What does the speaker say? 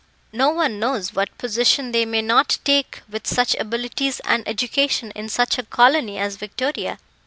"No one knows what position they may not take with such abilities and education in such a colony as Victoria.